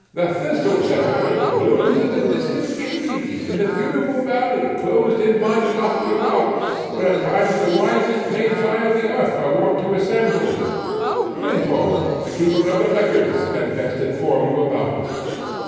The thistle, Zeherit, blooms in the distant Indies, in the beautiful valley, closed in by lofty rocks, where at times the wisest magi of the earth are wont to assemble: Lindhorst, the keeper of the records, can best inform you about it.